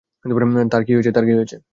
তার কি হয়েছে?